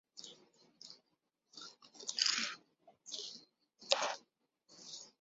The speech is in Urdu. انہیں اپنے کیے کی سزا ملنی چاہیے۔